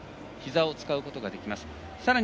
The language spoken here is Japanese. ひざを使うことができません